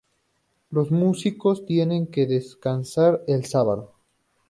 Los músicos tienen que descansar el sábado.